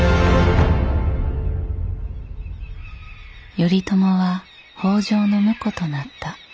頼朝は北条の婿となった。